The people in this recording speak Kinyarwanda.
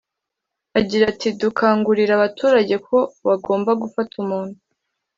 Agira ati “…dukangurira abaturage ko bagomba gufata umuntu